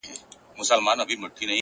د خپل ژوند په يوه خړه آئينه کي!!